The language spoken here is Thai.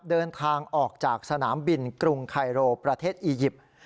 เดินทางออกจากสนามบินกรุงไคโรประเทศอียิปต์